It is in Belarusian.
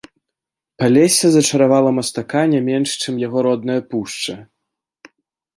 Палессе зачаравала мастака не менш, чым яго родная пушча.